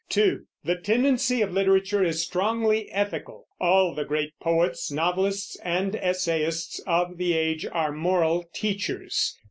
(2) The tendency of literature is strongly ethical; all the great poets, novelists, and essayists of the age are moral teachers.